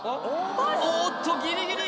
おっとギリギリ！